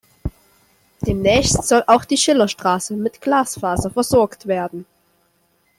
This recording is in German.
Demnächst soll auch die Schillerstraße mit Glasfaser versorgt werden.